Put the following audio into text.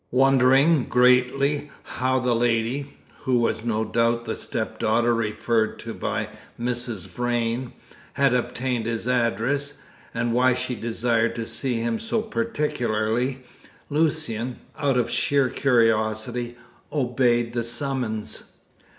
Wondering greatly how the lady who was no doubt the stepdaughter referred to by Mrs. Vrain had obtained his address, and why she desired to see him so particularly, Lucian, out of sheer curiosity, obeyed the summons.